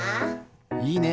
いいね。